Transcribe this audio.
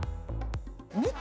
見て！